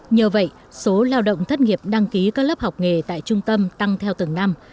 nhờ vậy số lao động thất nghiệp đăng ký các lớp học nghề tại trung tâm tăng theo từng năm